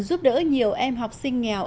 giúp đỡ nhiều em học sinh nghèo